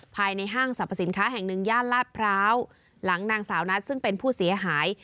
ภายในห้างสรรพสินค้าแห่งหนึ่งย่านลาดพร้าวหลังนางสาวนัทซึ่งเป็นผู้เสียหาย